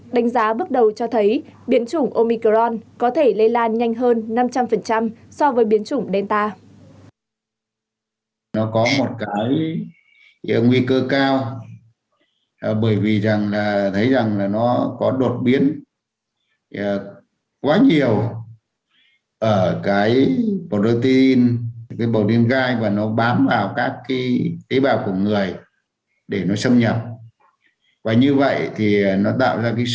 đánh giá bước đầu cho thấy biến chủng omicron có thể lây lan nhanh hơn năm trăm linh so với biến chủng delta